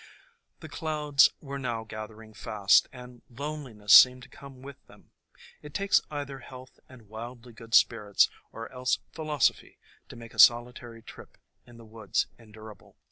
The clouds were now gathering fast, and loneli ness seemed to come with them. It takes either health and wildly good spirits, or else philosophy, to make a solitary trip in the woods endurable.